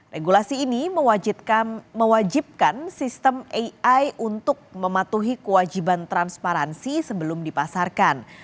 regulasi ini mewajibkan sistem ai untuk mematuhi kewajiban transparansi sebelum dipasarkan